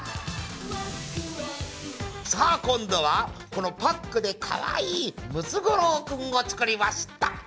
さあ今度はこのパックでかわいいムツゴロウくんを作りました。